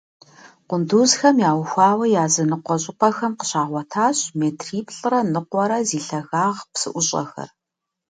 Къундузхэм яухуауэ языныкъуэ щӀыпӀэхэм къыщагъуэтащ метр плӀырэ ныкъуэрэ зи лъагагъ псыӀущӀэхэр.